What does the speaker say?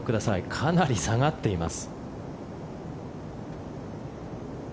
かなり下がっています。